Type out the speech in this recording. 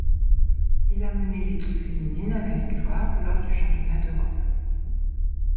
Il a mené l'équipe féminine à la victoire lors du championnat d'Europe.